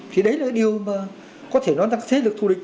thì đấy là điều mà có thể nói rằng thế lực thù địch